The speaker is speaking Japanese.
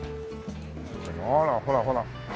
あらほらほら。